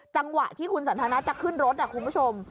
จังหวะที่คุณสันทนาจะขึ้นรถคุณผู้ชม